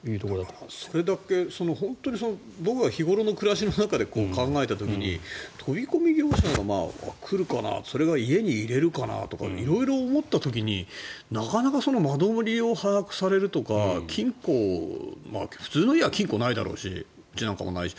それだけ本当に僕は日頃の暮らしの中で考えた時に飛び込み業者が来るかなってそれを家に入れるかな？とか色々思った時になかなか間取りを把握されるとか金庫を普通の家は金庫なんかないだろうしうちなんかもないし。